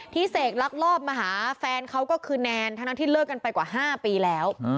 เสกลักลอบมาหาแฟนเขาก็คือแนนทั้งนั้นที่เลิกกันไปกว่า๕ปีแล้ว